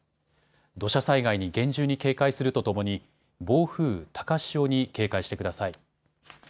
土砂災害に厳重に警戒するとともに暴風、高潮に警戒してください。